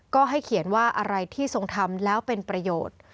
ก็ให้เขียนว่าอะไรที่ทรงทำแล้วเป็นประโยชน์